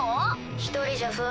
一人じゃ不安？